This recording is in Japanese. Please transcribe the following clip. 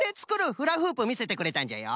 フラフープみせてくれたんじゃよ。